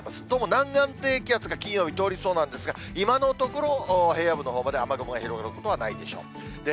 どうも南岸低気圧が金曜日、通りそうなんですが、今のところ、平野部のほうまで雨雲が広がることはないでしょう。